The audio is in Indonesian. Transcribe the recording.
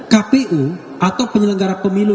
kpu atau penyelenggara pemilu